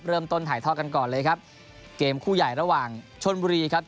เริ่มต้นถ่ายทอดกันก่อนเลยครับเกมคู่ใหญ่ระหว่างชนบุรีครับ